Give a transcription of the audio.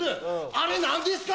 あれ何ですか？